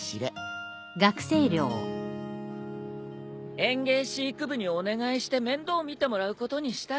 園芸飼育部にお願いして面倒見てもらうことにした。